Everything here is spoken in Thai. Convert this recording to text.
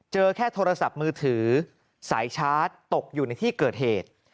เจอแค่โทรศัพท์มือถือสายชาร์จตกอยู่ในที่เกิดเหตุ